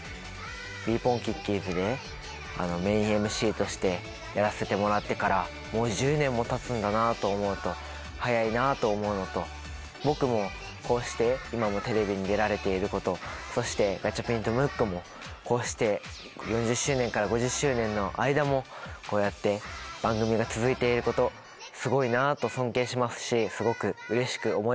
『ｂｅポンキッキーズ』でメインＭＣとしてやらせてもらってからもう１０年もたつんだなと思うと早いなと思うのと僕もこうして今もテレビに出られていることそしてガチャピンとムックもこうして４０周年から５０周年の間もこうやって番組が続いていることすごいなあと尊敬しますしすごくうれしく思います。